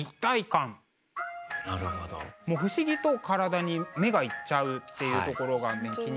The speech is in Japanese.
もう不思議と体に目がいっちゃうっていうところが気になったんですね。